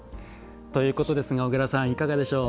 ということですが小倉さんいかがでしょう？